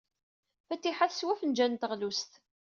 Fatiḥa teswa afenjal n teɣlust.